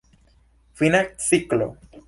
Fina ciklo.